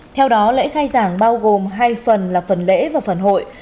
theo đó lễ khai giảng bao gồm hai phần là phần lễ và phần hội